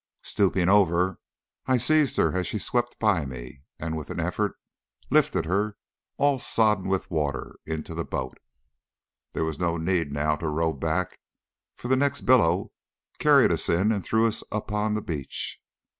Stooping over, I seized her as she swept by me, and with an effort lifted her, all sodden with water, into the boat. There was no need to row back, for the next billow carried us in and threw us upon the beach.